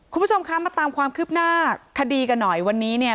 คุณผู้ชมคะมาตามความคืบหน้าคดีกันหน่อยวันนี้เนี่ย